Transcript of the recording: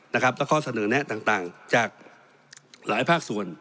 แล้วก็ข้อเสนอแนะต่างจากหลายภาคส่วน